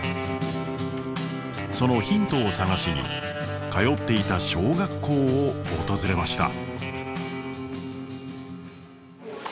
そのヒントを探しに通っていた小学校を訪れました。